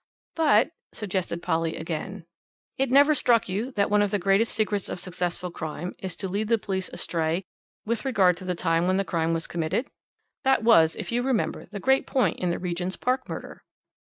"But " suggested Polly again. "It never struck you that one of the greatest secrets of successful crime is to lead the police astray with regard to the time when the crime was committed. That was, if you remember, the great point in the Regent's Park murder.